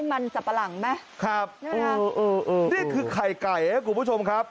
มันสับปะหลังไหมครับนะฮะนี่คือไข่ไก่ครับคุณผู้ชมครับ